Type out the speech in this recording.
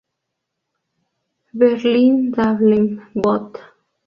Berlin-Dahlem, Bot.